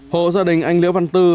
hộ gia đình anh liễu văn tư